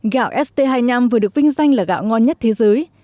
gạo st hai mươi năm vừa được vinh danh là gạo ngon nhất thế giới